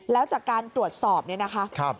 แล้วจากการตรวจสอบเลยนะครับ